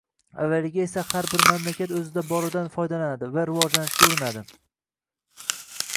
Avvalida esa har bir mamlakat o‘zida boridan foydalanadi va rivojlanishga urinadi.